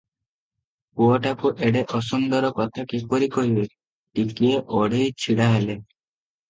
ପୁଅଟାକୁ ଏଡେ ଅସୁନ୍ଦର କଥା କିପରି କହିବେ - ଟିକିଏ ଅଡେଇ ଛିଡ଼ା ହେଲେ ।